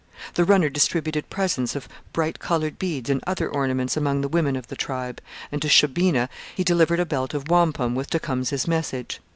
The runner distributed presents of bright coloured beads and other ornaments among the women of the tribe, and to Shaubena he delivered a belt of wampum with Tecumseh's message.